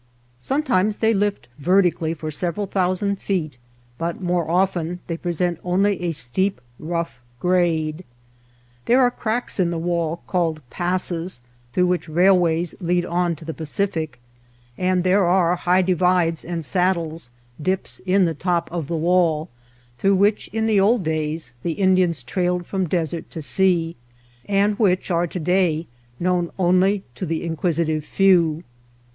Sometimes they lift vertically for several thousand feet, but more often they present only a steep rough grade. There are cracks in the wall called passes, through which railways lead on to the Pacific ; and there are high divides and saddles — dips in the top of the wall — through which in the old days the Indians trailed from desert to sea, and which are to day known only to the inquisitive few.